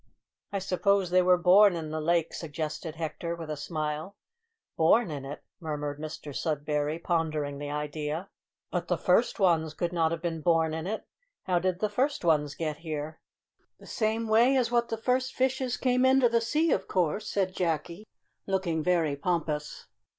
"I suppose they were born in the lake," suggested Hector, with a smile. "Born in it?" murmured Mr Sudberry, pondering the idea; "but the first ones could not have been born in it. How did the first ones get there?" "The same way as what the first fishes came into the sea, of course," said Jacky, looking very pompous.